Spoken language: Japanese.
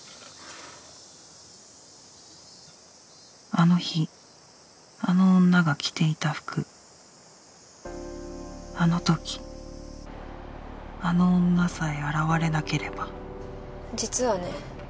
あの日あの女が着ていた服あの時あの女さえ現れなければ実はね